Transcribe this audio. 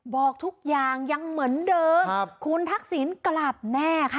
บอกทุกอย่างยังเหมือนเดิมคุณทักษิณกลับแน่ค่ะ